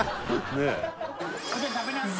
ねえ。